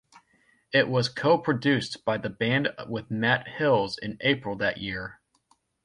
It was co-produced by the band with Matt Hills in April that year.